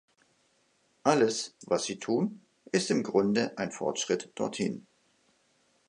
Alles, was sie tun, ist im Grunde ein Fortschritt dorthin.